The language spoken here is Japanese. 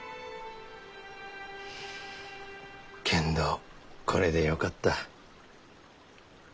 けんどこれでよかった。